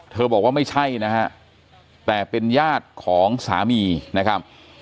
บอกว่าไม่ใช่นะฮะแต่เป็นญาติของสามีนะครับ